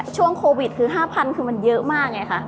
ช่วงโควิดคือ๕๐๐คือมันเยอะมากไงคะ